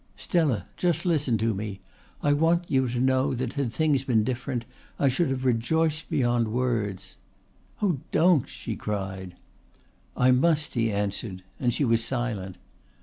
"Stella, just listen to me. I want you to know that had things been different I should have rejoiced beyond words." "Oh, don't!" she cried. "I must," he answered and she was silent.